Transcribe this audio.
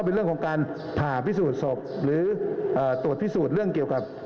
เป็นเรื่องของการผ่าพิสูจน์ศพหรือตรวจพิสูจน์เรื่องเกี่ยวกับ